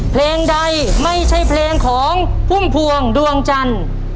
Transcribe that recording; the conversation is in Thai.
เพลงใดไม่ใช่เพลงของพุ่มพวงดวงจันทร์